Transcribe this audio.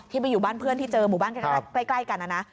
ไปอยู่บ้านเพื่อนที่เจอหมู่บ้านใกล้กันนะนะ